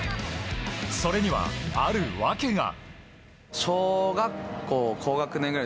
それには、ある訳が。